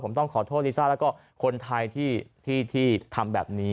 ผมต้องขอโทษลิซ่าแล้วก็คนไทยที่ทำแบบนี้